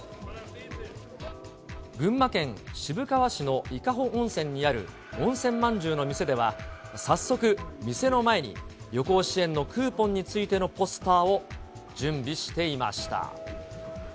群馬県渋川市の伊香保温泉にある温泉まんじゅうの店では、早速、店の前に旅行支援のクーポンについてのポスターを準備していました。